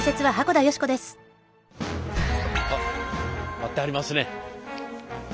待ってはりますね。